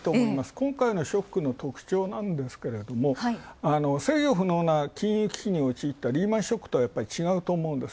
今回のショックの特徴なんですが、制御不能な危機に陥ったリーマンショックとは違うと思うんです。